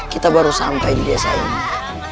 kita baru sampai di desa ini